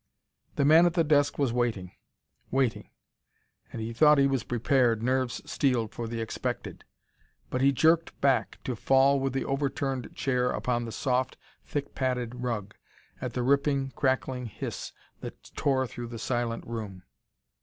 The man at the desk was waiting waiting. And he thought he was prepared, nerves steeled, for the expected. But he jerked back, to fall with the overturned chair upon the soft, thick padded rug, at the ripping, crackling hiss that tore through the silent room.